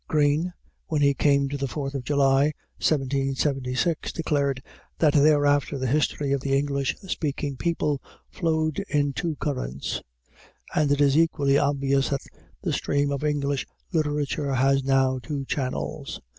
Green, when he came to the Fourth of July, 1776, declared that thereafter the history of the English speaking people flowed in two currents; and it is equally obvious that the stream of English literature has now two channels.